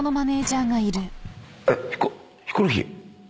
えっヒコロヒー？